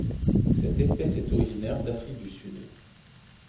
Cette espèce est originaire d'Afrique du Sud.